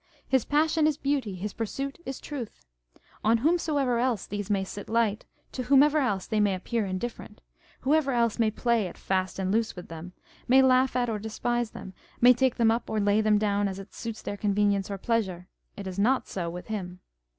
His passion is beauty ; his pursuit is truth. On whomsoever else these may sit light, to whomever else they may appear indif ferent, whoever else may play at fast and loose with them, may laugh at or despise them, may take them up or lay them down as it suits their convenience or pleasure, it is not so with him.